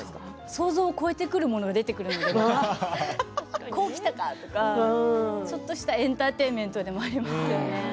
想像を超えるものが出てくるのでこうきたかとか、ちょっとしたエンターテインメントでもありますよね。